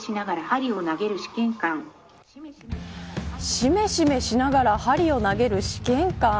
しめしめしながら針を投げる試験管。